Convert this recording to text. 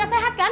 gak sehat kan